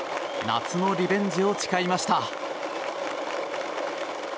夏のリベンジを誓いました。